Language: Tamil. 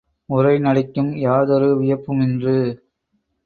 உரைநடைக்கும் யாதொருவியப்புமின்று.